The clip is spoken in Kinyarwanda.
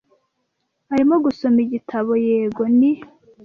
"Arimo gusoma igitabo?" "Yego, ni."